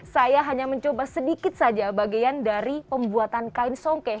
saya hanya mencoba sedikit saja bagian dari pembuatan kain songke